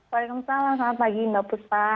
waalaikumsalam selamat pagi mbak puspa